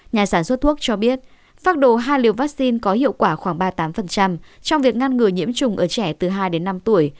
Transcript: nhà sản xuất thuốc cho biết phác đồ hai liều vaccine có hiệu quả khoảng ba mươi tám trong việc ngăn ngừa nhiễm trùng ở trẻ từ hai đến năm tuổi